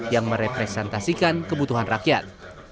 yang merepresentasikan kebutuhan rakyat